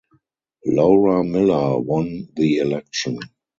Laura Miller won the election.